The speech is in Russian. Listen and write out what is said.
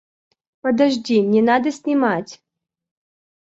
Подожди, не надо снимать.